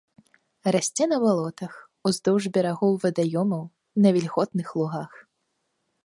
Расце на балотах, уздоўж берагоў вадаёмаў, на вільготных лугах.